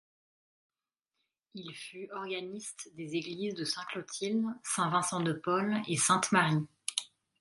Il fut organiste des églises de Sainte-Clotilde, Saint-Vincent-de-Paul et Sainte-Marie.